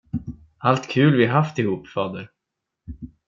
Allt kul vi haft ihop, fader?